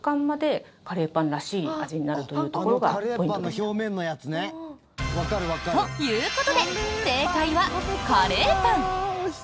その秘密は？ということで正解はカレーパン。